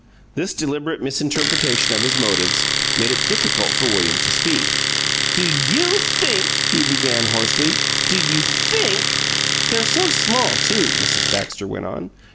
This deliberate misinterpretation of his motives made it difficult for William to speak. "Do YOU think," he began, hoarsely, "do you THINK " "They're so small, too," Mrs. Baxter went on.